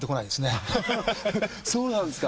そうなんですか。